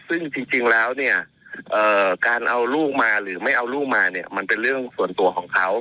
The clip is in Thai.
ซึ่งจริงแล้วเนี่ยการเอาลูกมาหรือไม่เอาลูกมาเนี่ยมันเป็นเรื่องส่วนตัวของเขา